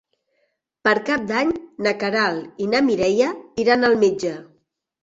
Per Cap d'Any na Queralt i na Mireia iran al metge.